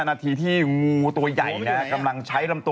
งูเหลือมลัดหมา